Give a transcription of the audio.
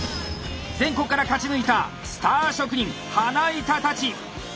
全国から勝ち抜いたスター職人花板たち！